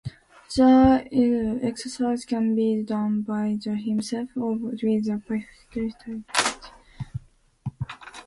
These exercises can be done by the patient himself, or with a physical therapist.